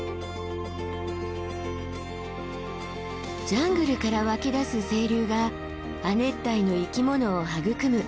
ジャングルから湧き出す清流が亜熱帯の生き物を育む